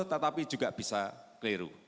tetapi juga bisa kleru